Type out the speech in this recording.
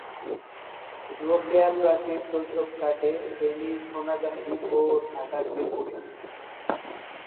রোকেয়া প্রাচীর শৈশব কাটে ফেনীর সোনাগাজী ও ঢাকার মিরপুরে।